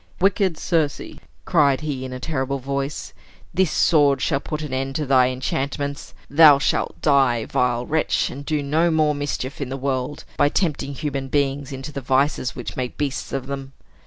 "Wicked Circe," cried he, in a terrible voice, "this sword shall put an end to thy enchantments. Thou shalt die, vile wretch, and do no more mischief in the world, by tempting human beings into the vices which make beasts of them."